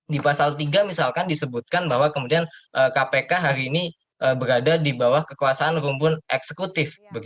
di pasal tiga misalkan disebutkan bahwa kemudian kpk hari ini berada di bawah kekuasaan rumpun eksekutif